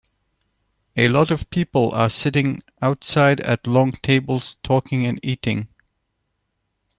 A lot of people are sitting outside at long tables talking and eating.